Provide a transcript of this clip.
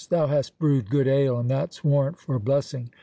"Thou hast brewed good ale, and that's warrant for a blessing.